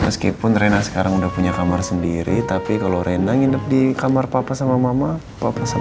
meskipun rena sekarang udah punya kamar sendiri tapi kalau rena nginep di kamar papa sama mama papa sama